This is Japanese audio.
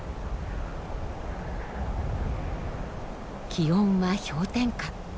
気温は氷点下。